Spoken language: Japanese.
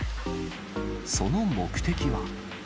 その目的は。